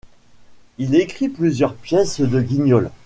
Il écrit plusieurs pièces de Guignol.